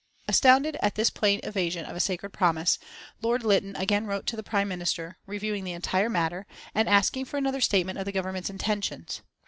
Astounded at this plain evasion of a sacred promise, Lord Lytton again wrote to the Prime Minister, reviewing the entire matter, and asking for another statement of the Government's intentions.